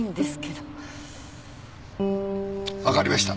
分かりました。